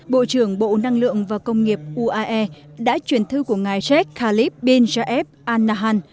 bộ trưởng bộ năng lượng và công nghiệp uae đã truyền thư của ngài cheikh khalid bin jaib al nahan